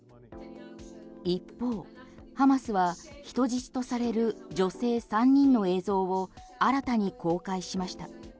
一方、ハマスは人質とされる女性３人の映像を新たに公開しました。